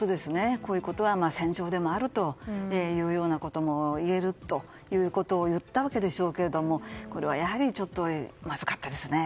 こういうことは戦場でもあるといえるということを言ったわけでしょうけどこれはやはりちょっとまずかったですね。